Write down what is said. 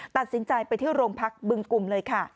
ตัดสินใจไปที่โรงพักบึงกลุ่มเลยค่ะ